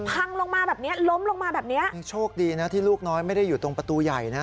พังลงมาแบบเนี้ยล้มลงมาแบบเนี้ยยังโชคดีนะที่ลูกน้อยไม่ได้อยู่ตรงประตูใหญ่นะ